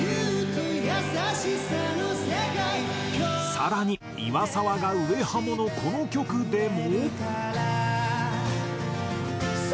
更に岩沢が上ハモのこの曲でも。